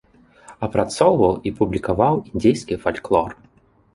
Апрацоўваў і публікаваў індзейскі фальклор.